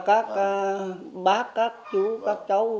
các bác các chú các cháu